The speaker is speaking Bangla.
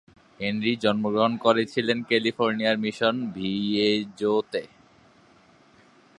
হেনরি জন্মগ্রহণ করেছিলেন ক্যালিফোর্নিয়ার মিশন ভিয়েজোতে।